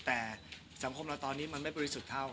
แต่สังคมเราตอนนี้มันไม่บริสุทธิ์เท่า